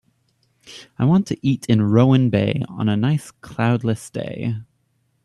I want to eat in Rowan Bay on a nice cloud less day